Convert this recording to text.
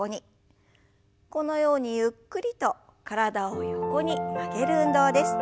このようにゆっくりと体を横に曲げる運動です。